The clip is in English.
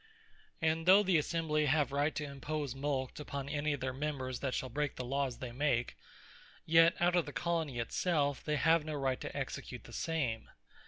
And though the Assembly have right, to impose a Mulct upon any of their members, that shall break the Lawes they make; yet out of the Colonie it selfe, they have no right to execute the same.